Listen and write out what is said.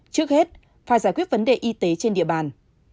trước hết phải giải quyết vấn đề y tế trên địa bàn